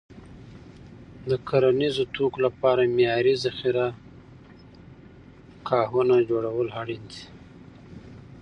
د کرنیزو توکو لپاره معیاري ذخیره ګاهونه جوړول اړین دي.